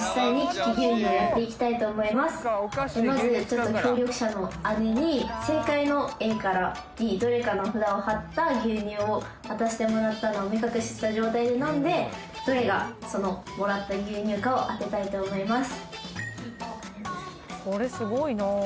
まず協力者の姉に正解のＡからＤどれかの札を貼った牛乳を渡してもらったのを目隠しした状態で飲んでどれがそのもらった牛乳かを当てたいと思います